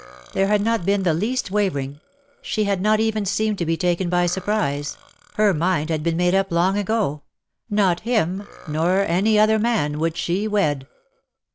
There had been not the least wavering — she had not even seemed to be taken by surprise — her mind had been made up long ago — not him, nor any other man, would she wed.